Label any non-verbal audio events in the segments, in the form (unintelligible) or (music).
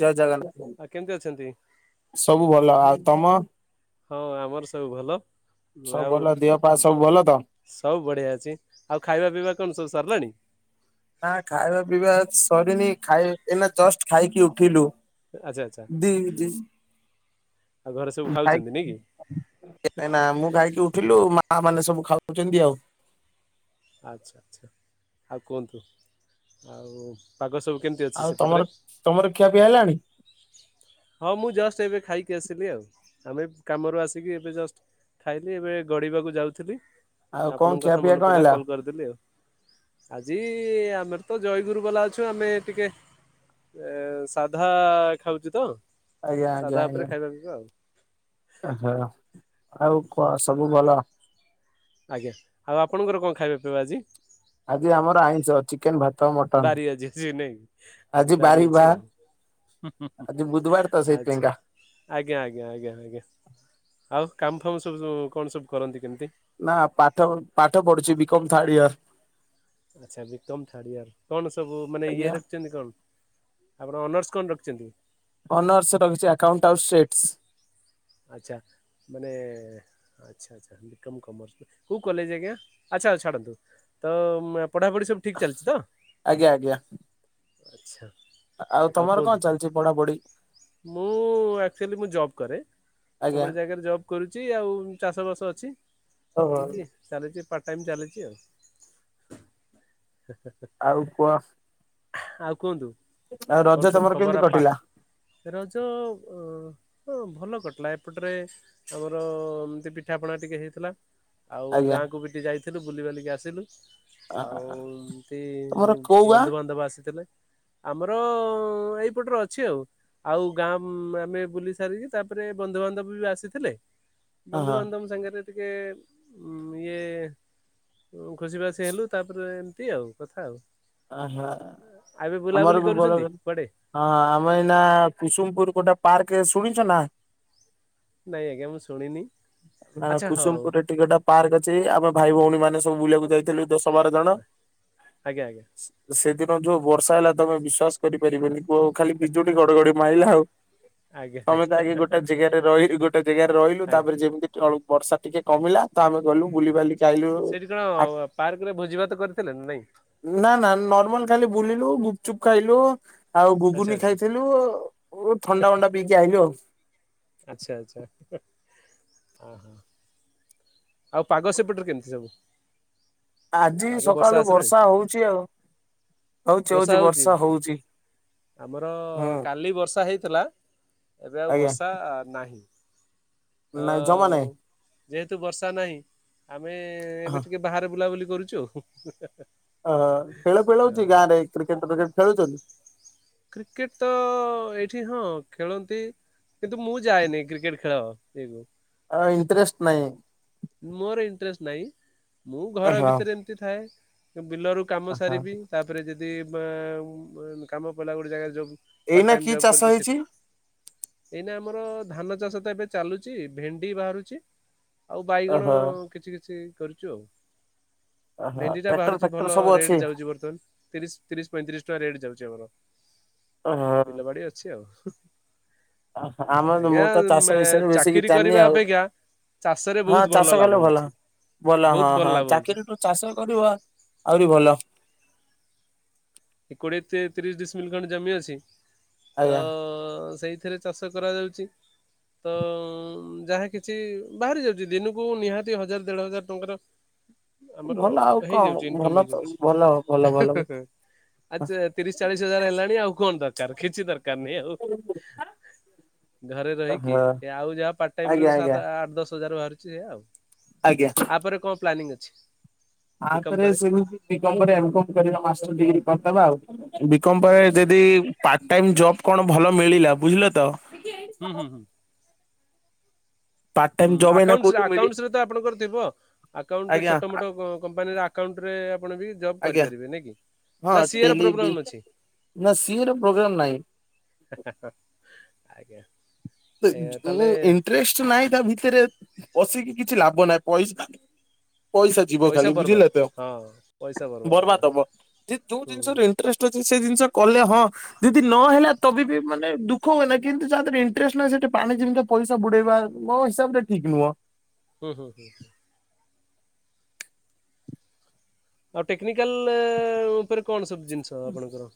ଜୟ ଜଗନ୍ନାଥ ଆଉ କେମିତି ଅଛନ୍ତି? ଭାଇ ସବୁ ଭଲ ଆଉ ତମ। ହଁ ଆମର ସବୁ ଭଲ। ସବୁ ଆଉ ଭଲ ଦେହ ପା ସବୁ ଭଲ ତ। ସବୁ ବଢିଆ ଅଛି ଆଉ ଖାଇବା ପିଇବା କଣ ସବୁ ସରିଲାଣି। ନା ଖାଇବା ପିଇବା ସରିନି। ଖାଇ ଏଇନା ଜଷ୍ଟ ଖାଇକି ଉଠିଲୁ ଆଚ୍ଛା ଆଚ୍ଛା। ଦି ଦି। ଆଉ ଘରେ ସବୁ ଖାଇ ଖାଉଛନ୍ତି ନାଇଁ କି? ଏଇନା ମୁଁ ଖାଇକି ଉଠିଲୁ ମା ମାନେ ସବୁ ଖାଉଛନ୍ତି ଆଉ। ଆଚ୍ଛା ଆଚ୍ଛା ଆଉ କୁହନ୍ତୁ ଆଉ ପାଗ ସବୁ କେମିତି ଅଛି ଆଉ ସେପଟରେ? ତମର ତମର ଖିଆ ପିଆ ହେଲାଣି? ହଁ ମୁଁ ଜଷ୍ଟ ଏବେ ଖାଇକି ଆସିଲି ଆଉ। ଆମେ କାମରୁ ଆସିକି ଏବେ ଜଷ୍ଟ ଖାଇଲି ଏବେ ଗଡିବାକୁ ଯାଉଥିଲି। ଆଉ କଣ ଖିଆ ପିଇଆ କଣ ହେଲା? କଲ କରିଦେଲେ ଆଉ ଆଜି ଆମେତ ଜୟଗୁରୁ ବାଲା ଅଛୁ ଆମେ ଟିକେ ଏ ସାଧା ଖାଉଛୁତ। ସାଧା ଉପରେ ଖାଇବା ପିଇବା ଆଉ। ଓହ ଆଉ କ ସବୁ ଭଲ? ଆଜ୍ଞା, ଆଉ ଆପଣଙ୍କର କଣ ଖାଇବା ପିଇବା ଆଜି? ଆଜି ଆମର ଆଇଁଚ ଚିକେନ ଭା ବାରି ଅଛି ଜିନେଇ ଆଜି ବାରି ଅଛି ଆଉ। ହୁଁ ହୁଁ ହୁଁ ଆଜି ବୁଧବାର ତ ଆଚ୍ଛା ସେଇଥିପାଇଁକା ଆଜ୍ଞା ଆଜ୍ଞା ଆଜ୍ଞା ଆଜ୍ଞା ଆଉ? କାମ ଫାମ ସବୁ ସୁ କଣ ସବୁ କରନ୍ତି କେମିତି? ନା ପାଠ ପାଠ ପଢୁଛି ବିକମ ଥାର୍ଡ ଇୟର। ଆଚ୍ଛା ବିକମ ଥାର୍ଡ ଇୟର, କଣ ସବୁ ମାନେ ଇଏ ଆଜ୍ଞା। ରଖିଛନ୍ତି କଣ ଆପଣ ଅନର୍ସ କଣ ରଖିଛନ୍ତି? ଅନର୍ସ ରଖଛି ଆକାଉଣ୍ଟ ଆଉ ସେଟ୍ସ। ଆଚ୍ଛା ମାନେ ଆଚ୍ଛା ଆଚ୍ଛା ବିକମ୍ କମର୍ସ। କୋଉ କଲେଜ ଆଜ୍ଞା ଆ ଆଚ୍ଛା ଛାଡନ୍ତୁ ତ ମୁଁ ଆ ପଢ଼ାପଢ଼ି ସବୁ ଠିକ୍ ଚାଲିଛି ତ? ଆଜ୍ଞା ଆଜ୍ଞା ଆଉ ତମର କଣ କୁହନ୍ତୁ, ଚାଲିଛି ପଢାପଢି ମୁଁ ଆକଚୁଆଲି ମୁଁ ଜବ କରେ। ଆଜ୍ଞା। ଏଭଳି ଜାଗାରେ ଜବ୍ କରୁଛି, ଆଉ ଚାଷ ବାସ ଅଛି। ଓହୋ। ଏମତି ଚାଲିଛି ପା ଟାଇମ୍ ଚାଲିଛି ଆଉ। ଆଉ କୁହ ଆଉ କୁହନ୍ତୁ ଆଉ ରଜ କଣ ସବୁ ତମର କେମିତି ଖବର ଆପା କଟିଲା ରଜ ଅ ହଁ ଭଲ କଟିଲା ଏପଟରେ ଆମର ଏମିତି ପିଠାପଣା ଟିକେ ହେଇଥିଲା। ଆଉ ଆଜ୍ଞା ଗାଁକୁ ବି ଟି ଯାଇଥିଲୁ ବୁଲିିବାଲିକି ଆସିଲୁ। ଆଉ ଆ- ଏମତି ତମର କୋଉ ଗାଁ? ବନ୍ଧୁବାନ୍ଧବ ଆସିଥିଲେ। ଆମର ଏଇପଟରେ ଅଛି ଆଉ। ଆଉ ଗାଁ ଆମେ ବୁଲି ସାରିକି ତାପରେ ବନ୍ଧୁବାନ୍ଧବ ବି ଆସିଥିଲେ ହଁ ହଁ ବନ୍ଧୁବାନ୍ଧବ ସାଙ୍ଗରେ ଟିକେ ଇଏ ଖୁସି ବାସି ହେଲୁ ତାପରେ ଏମିତି ଆଉ କଥା ଆଉ। ଆହା। ଆଉ ଏବେ ବୁଲାବୁଲି ଆମର ବି କରୁଛନ୍ତି ଭଲରେ କୁଆଡେ? ଆଁ ଆମେ ଏଇନା କୁସୁମପୁର କୋଟ ପାର୍କରେ ଶୁଣିଛ ନା? ନାଇଁ ଆଜ୍ଞା ମୁଁ ଶୁଣିନି ନା ଆଚ୍ଛା ହଉ କୁସୁମପୁରରେ ଟିକେଟା ପାର୍କ ଅଛି। ଆମେ ଭାଇ ଭଉଣୀ ମାନେ ସବୁ ବୁଲିବାକୁ ଯାଇଥିଲୁ ଦେ ଆଜ୍ଞା ଆଜ୍ଞା। ସେଦିନ ଯୋଉ ବର୍ଷା ହେଲା ତମେ ବିଶ୍ଵାସ କରିପାରିବେନି କୁ ଖାଲି ବିଜୁଳି ଘଡଘଡି ମାଇଲା ଆଉ। ଆଜ୍ଞା ତମେ ତ ଆଜ୍ଞା ଆଗେ ଗୋଟେ ଯେଗାରେ ରହି ଗୋଟେ ଜାଗାରେ ରହିଲୁ ଆଜ୍ଞା ତାପରେ ଯେମିତି ଟଳୁ ବର୍ଷା ଟିକେ କମିଲା ତା ଆମେ ଗଲୁ ବୁଲିିବାଲିି ସେଇଠି କଣ ପାର୍କ ରେ ଭୋଜି ଭାତ କରିଥିଲେ ନାଁ ନାଇଁ? ନା ନା ନର୍ମାଲ ଖାଲି ବୁଲିଲୁ, ଗୁପଚୁପ ଖାଇଲୁ ଆଉ ଆଚ୍ଛା ଗୁଗୁନି ଆଚ୍ଛା ଖାଇଥିଲୁ ଥଣ୍ଡା ମଣ୍ଡା ପିଇକି ଆଇଲୁ ଆଉ। ଆଚ୍ଛା ଆଚ୍ଛା ହ ହଁ ଆହ। ଆଉ ପାଗ ସେପଟରେ କେମିତି ସବୁ? ଆଜି ପାଗ ସକାଳୁ ଆସିଲାଣି ବର୍ଷା ହଉଚି ଆଉ। ହଉଛି ହଉଛିି ବର୍ଷା ହଉଚି। ଆମର କାଲି ବର୍ଷା ହେଇଥିଲା। ଏବେ ଆଉ ଆଜ୍ଞା ବର୍ଷା-ଆ ନାହିଁ। ଆ ନାଇଁ ଜମା ନାଇଁ ଉଁ ଯେହେତୁ ବର୍ଷା ନାହିଁ। ଆମେ ହଁ ଏବେ ଟିକେ ବାହାରେ ବୁଲାବୁଲି କରୁଛୁ। ହୁଁ ହୁଁ ହା ହା ହା। ଅହ ଖେଳ ଫେଳଉଛି ଗାଁରେ, କ୍ରିକେଟ୍ ବ୍ରିକେଟ୍ ଖେଳୁଛନ୍ତି। କ୍ରିକେଟ ତ ଏଇଠି ହଁ ଖେଳନ୍ତି। କିନ୍ତୁ, ମୁଁ ଯାଏନି କ୍ରିକେଟ ଖେଳ ଇଏକୁ। ଆ ଇଣ୍ଟରେଷ୍ଟ ନାହିଁ। ନାଇଁ, ମୁଁ ଘର ହଁ ଭିତରେ ଏମିତି ଥାଏ। ବିଲରୁ କାମ ଓହୋ ସାରିବି। ତା'ପରେ ଯଦି ବ ବ କାମ ପଇଲା ଗୋଟେ ଜାଗାରେ ଜଗୁ। ପାର୍ଟ ଏଇନା ଟାଇମ୍ କି ଜବ୍ ଚାଷ କରିଛି ହେଇଛି ସେଠି। ଏଇନା ଆମର ଧାନ ଚାଷ ତ ଏବେ ଚାଲୁଛି। ଭେଣ୍ଡି ବାହାରୁଛି ଆଉ ବାଇଗଣ ଓହୋ କିଛି କିଛି କରିଛୁ ଆଉ। ଓହୋ ଭେଣ୍ଡି ଟା ଟ୍ରାକ୍ଟର ବାହାରୁଛି ଫାକ୍ଟର ଭଲ। ସବୁ ଅଛି ରେଟ୍ ଯାଉଛି ବର୍ତ୍ତମାନ ତିରିଶ ତିରିଶ ପଇଁତିରିଶ ଟଙ୍କା ରେଟ୍ ଯାଉଛି ଆମର। ହଁ ବିଲବାଡି ଅଛି ଆଉ। ଆମର ମୁଁ ତ ଆଜ୍ଞା, ଚାଷ ମେ ବିଷୟରେ ବେଶୀ କିଛି ଚାକିରି ଜାଣିନି କରିବା ଆଉ ଅପେକ୍ଷା ଚାଷରେ ହଁ ବହୁତ ଚାଷ ଭଲ କଲେ ଲାଭ ହଉଛି। ଭଲ ହଁ, ବହୁତ ହଁ ଲାଭ ହଉଛି ଚାକିରିଠୁ ଚାଷ କରିବ ଆହୁରି ଭଲ। କୋଡିଏ ତି-ତିରିଶ ଡିସ୍ ମିଲ ଖଣ୍ଡେ ଜମି ଅଛି। ଆଜ୍ଞା ତ-ଅ ସେଇ ଏଥିରେ ଚାଷ କରାଯାଉଛି। ତ ଯାହା କିଛି ବାହାରି ଯାଉଛି। ଦିନକୁ ନିହାତି ହଜାର ଦେଢ ହଜାର ଟଙ୍କାର ଆମର ଭଲ ଆଉ କଣ? ହେଇଯାଉଛି ଇନକମ ଭଲ ତ ହେଇଯାଉଛି। ଭଲ ଭଲ ଭଲ ଆଚ୍ଛା, ତିରିଶ ଚାଳିଶ ହଜାର ହେଲାଣି ଆଉ, କଣ ଦରକାର? କିଛି ଦରକାର ନାହିଁ ଆଉ। ଘରେ ରହିକି। ଆଉ ଯାହା ପାର୍ ଟାଇମ୍ ରୁ ଆଜ୍ଞା ଆଜ୍ଞା ସାତ, ଆଠ, ଦଶ ସାତ ହଜାର ବାହାରୁଛି ଏୟା ଆଉ। ଆପରେ କଣ ପ୍ଳାଣ୍ଣିଙ୍ଗ ଅଛି? ବିକମ୍ ଆ'ପରେ ପରେ? ସେମିତି ବି କମ୍ କରିଆ, ମ୍ କମ୍ କରିଆ ମାସର ଡ଼ିଗ୍ରୀ କମ୍ ଦବା ଆଉ। ବି କମ୍ ହୁଁ ପରେ ଯଦି, ପାର୍ଟ ଟାଇମ୍ ଜବ କଣ ଭଲ ମିଳିଲା? ବୁଝିଲ ତ!। ହୁଁ ହୁଁ ହୁଁ। ପାର୍ଟ ହୁଁ, ଟାଇମ ଜବ ଏଇନା ଆକାଉଣ୍ଟସ୍ କୋଉଠି ମିଳି ଆକାଉଣ୍ଟସ୍ ରେ ଆପଣଙ୍କର ଥିବ। ଆକାଉଣ୍ଟ ରେ ଆଜ୍ଞା ଛୋଟ ମୋଟ କ-କମ୍ପାନୀର ଆକାଉଣ୍ଟରେ ଆପଣ ବି ଜବ୍ ଆଜ୍ଞା କରିପାରିବେ ନାଇକି? ହଁ ନା ସିଏର ଟେଲି ବି ପ୍ରୋବ୍ଲେମ୍ ଅଛି। ନା ସିଏ ର ପ୍ରୋଗ୍ରାମ ନାହିଁ। ଆଜ୍ଞା। ଯ ଏ ତାହେଲେ ଉଁ ଇଣ୍ଟରେଷ୍ଟ ନାହିଁ ତା ଭିତରେ ବସିକି କିଛି ଲାଭ ନାହିଁ। ପଇସ ପଇସା ଯିବ ଖାଲି ବର୍ବାଦ ବୁଝିଲେ ତ! ହଁ ବର୍ବାଦ ହବ। ଯେ ଯୋଉ ହୁଁ ଜିନିଷ ରେ ଇଣ୍ଟରେଷ୍ଟ ଅଛି। ସେ ଜିନିଷ କଲେ ହଁ ଯଦି ନ ହେଲା ତବି ବି ମାନେ ଦୁଃଖ ହୁଏନା। କିନ୍ତୁ ଯା ଦେହରେ ଇଂଟରେ ଟ୍ରେଷ୍ଟ ନାହିଁ, ସେଠି ପାଣି ଜିମିତି ପଇସା ବୁଡେଇବା ହିସାବ ରେ ଠିକ୍ ନୁହଁ। ହୁଁ ହୁଁ ହୁଁ ହ। ଆଉ ଟେକ୍ନିକାଲ-ଅ ଉପରେ କଣ ସବୁ ଜିନିଷ ଆପଣଙ୍କର,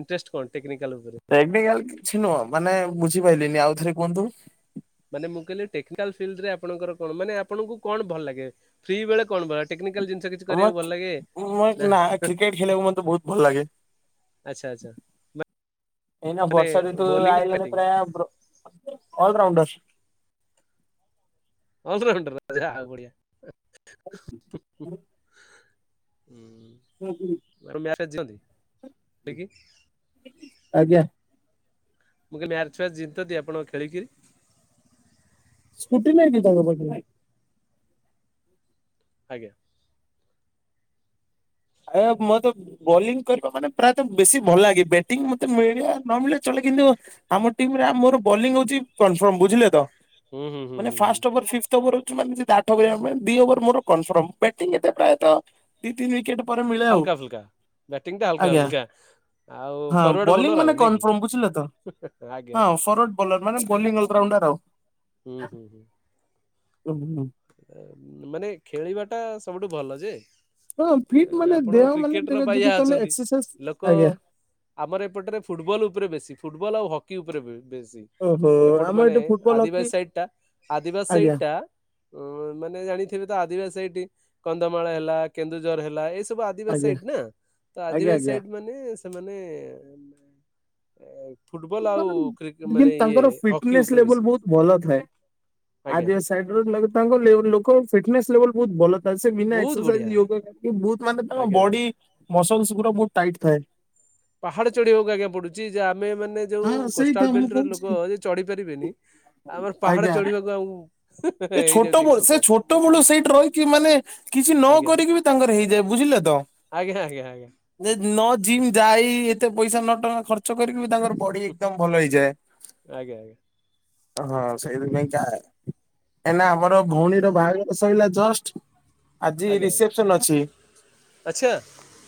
ଇଂଟରେଷ୍ଟ କଣ? ଟେକ୍ନି ଟେକ୍ନିକାଲ କିଛି ନୁହଁ। ମାନେ ବୁଝିପାଇଲିନି। ଆଉ ଥରେ କୁହନ୍ତୁ। ମାନେ ମୁଁ, କହିଲି ଟେକ୍ନିକାଲ ଫିଲ୍ଡ ରେ ଆପଣଙ୍କର କଣ? ମାନେ ଆପଣଙ୍କୁ କଣ ଭଲ ଲାଗେ? ଫ୍ରୀ ବେଳେ କଣ ବଳ ଟେକ୍ ଟେକ୍ନିକାଲ ଜିନିଷ କିଛି ଆମ କରିବାକୁ ଭଲ ଲାଗେ, ମୁଁ ନା ହଁ, ହଁ। କ୍ରିକେଟ ଖେଳିବାକୁ ମତେ ବହୁତ ଭଲ ଲାଗେ। ଆଛା ଆଚ୍ଛା ନା ଏଇନା ମାନେ ବର୍ଷା ଋତୁ ବୋଲିଂ ଆଇଲା ଯେ, ବ୍ୟାଟିଂ ପ୍ରା ବ୍ରୋ ଅଲରାଉଣ୍ଡର୍ ଅଲ୍ରାଉଣ୍ଡର! ଯା ହଉ ବଢ଼ିଆ। ହଁ (inaudible) ହେଜନ୍ତି। ଆଜ୍ଞା। ମୁଁ କହିଲି ମ୍ୟାଚ୍ ଫ୍ୟାଚ ଜିତନ୍ତି, ଆପଣଙ୍କ ଖେଳିକିରି? ସ୍କୁଟି ନାହିଁକି ତାଙ୍କ ପାଖରେ? ଆଜ୍ଞା। ଆ ମତେ ବୋଲିଂ କରିବା ମାନେ ପ୍ରାୟତଃ ବେଶୀ ଭଲ ଲାଗେ। ବ୍ୟାଟିଂ ମତେ ମିଳବା ନ ମିଳିବା ଚଳେ କିନ୍ତୁ ଆମ ଟିମ୍ ରେ ଆ ମୋର ବୋଲିଙ୍ଗ ହଉଛି କନଫମ୍ ବୁଝିଲେ ତ ହୁଁ ହୁଁ ହୁଁ ହୁଁ ହୁଁ ତ ମୋର ହୋଉଛି ମାନେ ଯେ ଆଠ ଓଭୋରିଆ ହୁଏ ଦି ଓଭର ମୋର୍ କନ୍ଫର୍ମ। ବ୍ୟାଟିଂ ଏତେ ପ୍ରାୟତଃ ଦି ତିନି ୱିକେଟ୍ ପରେ ମିଳେ ଆଉ ବ୍ୟାଟିଂ ଟା ହାଲକା ଆଜ୍ଞା ହୁଲ୍କା। ହଁ ବୋଲିଙ୍ଗ୍ ମାନେ କନଫର୍ମ ବୁଝିଲେ ତ ଆଜ୍ଞା। ହଁ ଫର୍ୱାର୍ଡ ବୋଲର ମାନେ ବୋଲିଙ୍ଗ ଅଲ ରାଉଣ୍ଡର ଆଉ। ହୁଁ ହୁଁ। ମାନେ ଖେଳିବା ଟା ସବୁଠୁ ଭଲ ଯେ ହଁ ଫିଟ୍ ମାନେ ଆପଣ ଦେହ ମାନେ କ୍ରିକେଟର ଦେଖ ବାୟା ଯଦି ତମେ ଅଛନ୍ତି। ଏକ୍ସରସାଇଜ ଲୋକ ଆଜ୍ଞା ଆମର ଏପଟରେ ଫୁଟ୍ ବଲ୍ ଉପରେ ବେଶୀ। ଫୁଟବଲ୍ ଆଉ ହକି ଉପରେ। ବେଶୀ। ଓହୋ ଏପଟ ଆମ ମାନେ ଏଠି ଫୁଟବଲ ହକି ଆଦିବାସୀ ସାଇଡ୍ ଟା ଆଦିବାସୀ ସାଇଡ୍ ଆଜ୍ଞା ଟା ହ ମାନେ ଜାଣିଥିବେ ତ ଆଦିବାସୀ ସାଇଟ୍ କନ୍ଧମାଳ ହେଲା କେନ୍ଦୁଝର ହେଲା ଏ ତୁବା ଆଦିବାସୀ ଆଜ୍ଞା ସାଇଟ୍ ନା ତ ଆଜ୍ଞା ଆଦିବାସୀ ଆଜ୍ଞା। ସାଇଟ୍ ମାନେ ତା ମାନେ ଏ ତାଙ୍କର ହକି ଫିଟନେସ୍ ଉପରେ ଲେବୁଲ୍ ବେଶୀ ବହୁତ ଭଲ ଥାଏ। ଆଜ୍ଞା ଆଦିବାସି ସାଇଟ୍ ର ତାଙ୍କ ଲୋ ଲୋକ ଫିଟନେସ୍ ଲେବୁଲ୍ ବହୁତ ଭଲ ସେ ବିନା ବହୁତ ବଢିଆ ଏକ୍ସରସାଇଜ୍ ୟୋଗା କରିକି ବହୁତ୍ ମାନେ ତମ ଆଜ୍ଞା ଆଜ୍ଞା ବଡି ମସଲ୍ସ ଗୁରା ବହୁତ ଟାଇଟ୍ ଥାଏ। ପାହାଡ ଚଢିବାକୁ ଆଞା ପଡୁଛି ଯା ଆମେ ମାନେ ଯୋଉ ହଁ ସେଇତ କୋଷ୍ଟାଲ ମୁଁ ବେଲ୍ଟ ର ଲୋକ କହୁଛି। ଯେ ଚଢି ପାରିବେନି ଆମର ପାହାଡ ଆଜ୍ଞା ଚଢିବାକୁ ଆଉ ସେ ହେଇଯାଉଛି ଛୋଟବେଳୁ ସେ ଏକ୍ସରସାଇଜ ଛୋଟବେଳୁ ସେଇଠି ରହିକି ମାନେ କିଛି ନ ଆଜ୍ଞା କରିକି ବି ତାଙ୍କର ହେଇଯାଏ ବୁଝିଲେ ତ ଆଜ୍ଞା। ଆଜ୍ଞା ଯେ ନ ଯିମ୍ ଯାଇ ଏତେ ପଇସା ନ ଟଙ୍କା ଖର୍ଚ୍ଚ କରିକି ବି ତାଙ୍କର ବଢି ଏକଦମ୍ ଭଲ ହେଇଯାଏ। ଆଜ୍ଞା ଆଜ୍ଞା ହଁ ସେଇଥିପାଇଁ କା ଏନା ଆମର ଭଉଣୀର ବାହାଘର ସଇଲା ଜଷ୍ଟ ଆଜି ଆଜ୍ଞା ଆଜ୍ଞା ରିସେପସନ୍ ଅଛି। ଆଚ୍ଛା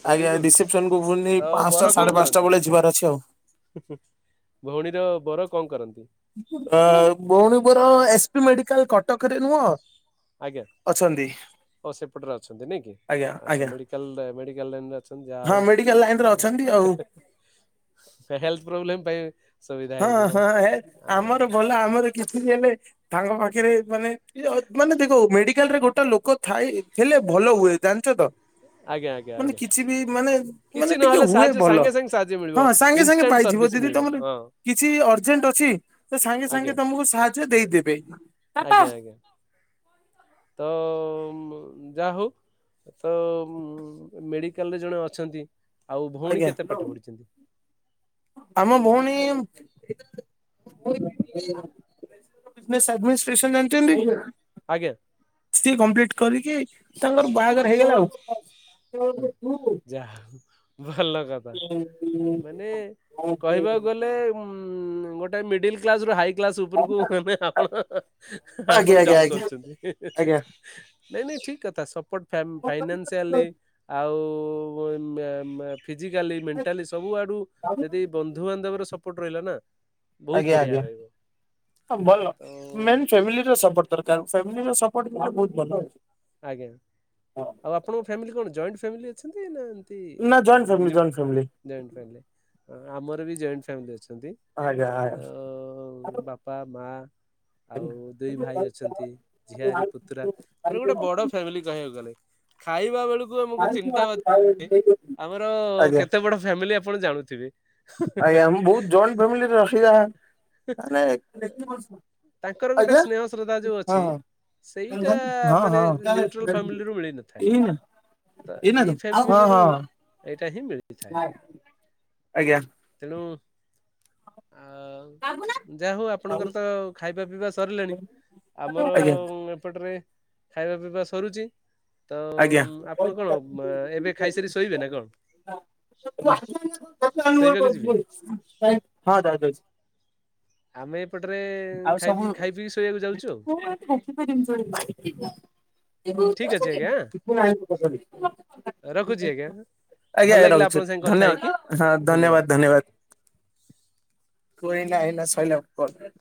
ଭେରି ଆଜ୍ଞା ଗୁଡ ରିସେପସନ୍ କୁ ଭୁନି ତ ପାଂଚଟା ସାଢେ ପାଂଚଟା ବେଳେ ଯିବାର ଅଛି ଆଉ। ହୁ ହୁ। ଆ ଭଉଣୀ ମୋର ଏସପି ମେଡି କାଲ୍ କଟକ ରେ ନୁହଁ ଆଜ୍ଞା। ଅଛନ୍ତି ଓ ସେପଟରେ ଅଛନ୍ତି ନାଇଁ କି। ଆଜ୍ଞା ଆ ସେ ଆଜ୍ଞା ମେଡିକାଲରେ ମେଡିକାଲ ଲାଇନରେ ଅଛନ୍ତି ଯାହା ହଉ ଲାଇନରେ ଅଛନ୍ତି ଆଉ ସେ ହେଲ୍ଥ ପ୍ରୋବ୍ଲେମ୍ ପାଇଁ ସୁବିଧା ହଁ ହେଇଯିବ। ହଁ ହେ ଆମର ଭଲ ଆମର କିଛି ବି ହେଲେ ତାଙ୍କ ପାଖରେ ମାନେ ମାନେ ଦେଖ ମେଡି କାଲରେ ଗୋଟେ ଲୋକ ଥାଇ ଥିଲେ ଭଲ ହୁଏ ଜାଣିଛ ତ ଆଜ୍ଞା ଆଜ୍ଞା ମାନେ ଆଜ୍ଞା କିଛି ବି ମାନେ ମାନେ କିଛି ଟିକେ ନହେଲେ ହୁଏ ସାହାଯ୍ୟ ଭଲ ସାଙ୍ଗେ ସାଙ୍ଗେ ସାହାଯ୍ୟ ମିଳିବ। ହଁ ସାଙ୍ଗେ ସାଙ୍ଗେ ଇନଷ୍ଟାଣ୍ଟ ପାଇ ସର୍ଭିସ୍ ମିଳିବ ହଁ କିଛି ଅର୍ଜେଣ୍ଟ ଅଛି ତ ସାଙ୍ଗେ ଆଜ୍ଞା ସାଙ୍ଗେ ତମକୁ ସାହାଯ୍ୟ ଦେଇଦେବେ (unintelligible) ଆଜ୍ଞା ଆଜ୍ଞା ତ ମୁଁ ଯାହଉ ତ ଉ ମେଡିକାଲରେ ଜଣେ ଅଛନ୍ତି ଆଉ ଭଉଣୀ ଆଜ୍ଞା କେତେ ପାଠ ପଢିଛନ୍ତି? ଆମ ଭଉଣୀ (unintelligible) ଜିନେସ୍ ଆଡମିନିଷ୍ଟ୍ରେସନ୍ ଜାଣିଛନ୍ତି? ଆଜ୍ଞା ସିଏ କମ୍ପ୍ଲିଟ୍ କରିକି ତାଙ୍କର ବାହାଘର ହେଇଗଲା ଆଉ। ଓ ଯାଆ ଭଲ କଥା ମାନେ କହିବାକୁ ଗଲେ ମ ଉଁ ଗୋଟେ ମିଡିଲ କ୍ଲାସ ରୁ ଆଇ କ୍ଲାସ ଉପରକୁ ଏବେ ଆପଣ ଆପଣ ଆଜ୍ଞା ଆଜ୍ଞା ଜମ୍ପ ଆଜ୍ଞା କରୁଚନ୍ତି ଆଜ୍ଞା ଠିକ୍ କଥା ସପୋର୍ଟ ଫା ଫାଇନାସଆଲି ଆଉ ମେ ମେ ଫିଜିକାଲି ମେଣ୍ଟାଲି ସବୁ ଆଡୁ ଯଦି ବନ୍ଧୁବାନ୍ଧବର ସପୋର୍ଟ ରହିଲା ନା ବହୁତ ଆଜ୍ଞା ବଢିଆ ଆଜ୍ଞା ରହିବ ହଁ ଭଲ ତ ମେ ବି ଫ୍ୟାମିଲି ର ସପୋ ଦରକାର ଫ୍ୟାମିଲିର ସପୋର୍ଟ ମିଳିଲେ ବହୁତ ଭଲ। ଆଜ୍ଞା ଆଉ ଆପଣଙ୍କ ଫ୍ୟାମିଲି କଣ ଜଏଣ୍ଟ ଫ୍ୟାମିଲି ଅଛନ୍ତି ନା ଇ ନା joint family joint family lift joint family ଆମର ବି ଜଏଣ୍ଟ ଫ୍ୟାମିଲି ଅଛି। ଅନ୍ତି ଆଜ୍ଞା ଆଜ୍ଞା। ଅ ବାପା ମା ଆଉ ଆଜ୍ଞା ଦୁଇ ଭାଇ ଅଛନ୍ତି ଝିଆରୀ ପୁତୁରା ମାନେ ଗୋଟେ ବଡ ଫ୍ୟାମିଲି କହିବାକୁ ଗଲେ ଖାଇବା ବେଳକୁ ଆମକୁ ତିନ୍ତାଟା ଅଛି ଆମର ଆଜ୍ଞା କେତେ ବଡ ଫ୍ୟାମିଲି ଆପଣ ଜାଣୁଥିବେ। ଆଜ୍ଞା ମୁ ବହୁତୁ ଜଏଣ୍ଟ ଫ୍ୟାମିଲିରେ ଅସୁବିଧା ତାଙ୍କର ଗୋଟେ ଆଜ୍ଞା ସ୍ନେହ ଶ୍ରଦ୍ଧା ଯୋଉ ହଁ ଅଛି। ହଁ। ସେଇଟା ହଁ ମାନେ ହଁ ନିୟୁଟ୍ରାଲ୍ ଫ୍ୟାମିଲିରୁ ମିଳି ନଥାଏ ଏଇନା ତ ଏଇନା ଏଇ ହଁ ଫ୍ୟାମିଲିରୁ ହଁ ଏଟା ହିଁ ମିଳିଥାଏ ତେଣୁ ଆ ଆପ ଯାହା ହଉ ଆପଣଙ୍କର ତ ଖାଇବା ପିଇବା ସରିଲାଣି ଆମର ଆଜ୍ଞା ଏପଟରେ ଖାଇବା ପିଇବା ସରୁଛି। ତ ଆଜ୍ଞା ଆପଣ କଣ ଏବେ ଖାଇସାରି ଶୋଇବେ ନା କଣ? (unintelligible) ଶୋଇବାକୁ ଯିବେ। ହଁ ଯାଉଚି ଯାଉଚି। ଆମେ ଏପଟରେ ଆଉ ଖାଇ ପି- ଖାଇ ପିଇକି ଶୋଇବାକୁ ଯାଉଛୁ ସବୁ ଆଉ। ଜିନିଷ (unintelligible) ଚିକୁ ଠିକ୍ ଅଛ ଅଛି କି ଆଜ୍ଞା। ଚିକୁ ନାହିଁ ରଖୁଛି ଆଜ୍ଞା (unintelligible) ଆଜ୍ଞା ଭଲ ଲାଗିଲା ରହୁଛୁ ଆପଣଙ୍କ ସାଙ୍ଗେ କଥା ଧନ୍ୟବାଦ ହେଇକି ହଁ ଧନ୍ୟବାଦ ଧନ୍ୟବାଦ। ତୁ ଏଇନା ଏଇନା ଶଇଲା ପରେ।